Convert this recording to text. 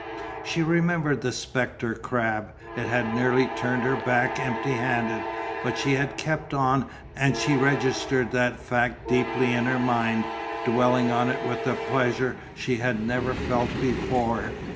She remembered the spectre crab. It had nearly turned her back empty handed, but she had kept on and she registered that fact deeply in her mind, dwelling on it with a pleasure she had never felt before.